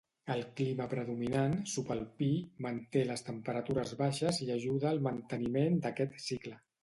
El clima predominant, subalpí, manté les temperatures baixes i ajuda al manteniment d'aquest cicle.